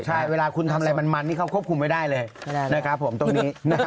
ใช่เวลาคุณทำอะไรมันนี่เขาควบคุมไม่ได้เลยนะครับผมตรงนี้